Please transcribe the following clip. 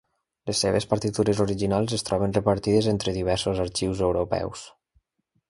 Les seves partitures originals es troben repartides entre diversos arxius europeus.